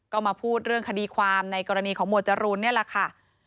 ก็มาพูดเรื่องคดีความในกรณีของหมวดจรูนนี่แหละค่ะ